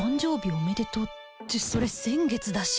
おめでとうってそれ先月だし